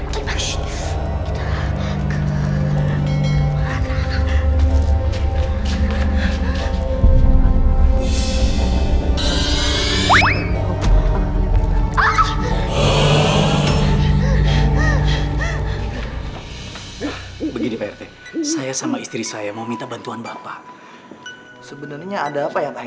kalo ternyata tante itu pembunuh